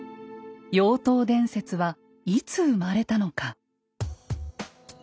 妖刀伝説はいつ生まれたのか。